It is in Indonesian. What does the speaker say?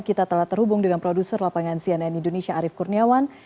kita telah terhubung dengan produser lapangan cnn indonesia arief kurniawan